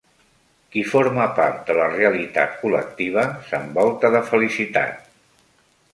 Qui forma part de la realitat col·lectiva s'envolta de felicitat.